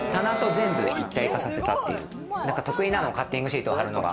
得意なのカッティングシートを貼るのが。